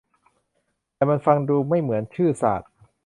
แต่มันฟังดูไม่เหมือนชื่อศาสตร์